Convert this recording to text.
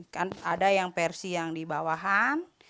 kan ada yang versi yang di bawahan